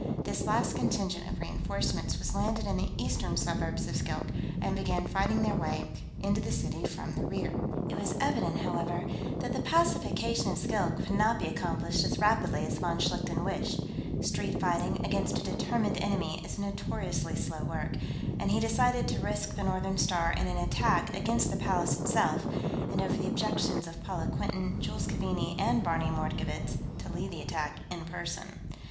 This last contingent of reenforcements was landed in the eastern suburbs of Skilk and began fighting their way into the city from the rear. It was evident, however, that the pacification of Skilk would not be accomplished as rapidly as von Schlichten wished street fighting, against a determined enemy, is notoriously slow work and he decided to risk the Northern Star in an attack against the Palace itself, and, over the objections of Paula Quinton, Jules Keaveney, and Barney Mordkovitz, to lead the attack in person.